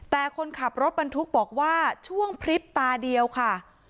แต่คนขับรถบรรทุกบอกว่าช่วงพริบตาเดียวค่ะ